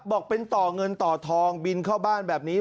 บอกเป็นต่อเงินต่อทองบินเข้าบ้านแบบนี้